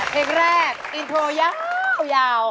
เพลงแรกอินโทรยาว